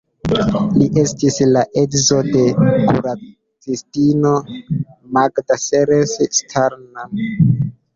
Li estis la edzo de kuracistino Magda Seres-Sturm.